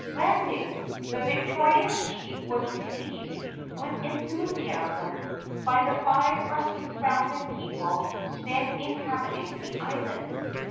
Landing, the victorious chief was received with enthusiasm by the five or six thousand people then inhabiting the island.